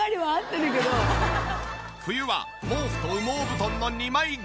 冬は毛布と羽毛布団の２枚重ね。